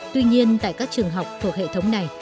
tuy nhiên tại các trường học thuộc hệ thống này